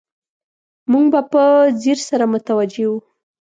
موږ به په ځیر سره متوجه وو.